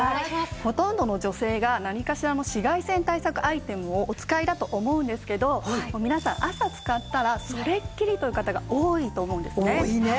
ほとんどの女性が何かしらの紫外線対策アイテムをお使いだと思うんですけど皆さん朝使ったらそれっきりという方が多いと思うんですね多いね。